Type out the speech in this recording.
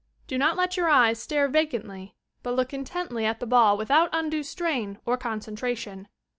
Do not let your eyes stare vacantly, but look intently at the ball without undue strain or concentra tion.